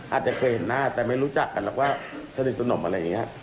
อาจจะเคยเห็นหน้าแต่ไม่รู้จักกันแล้วก็สนิทสนมอะไรอย่างนี้